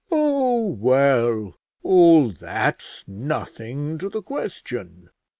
"Oh, well; all that's nothing to the question.